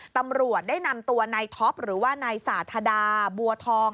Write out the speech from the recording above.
ตำรวจได้นำตัวนายท็อปหรือว่านายสาธาดาบัวทอง